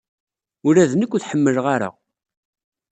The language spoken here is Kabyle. Ula d nekk ur t-ḥemmleɣ ara.